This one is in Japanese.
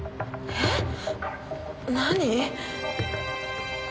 えっ？何？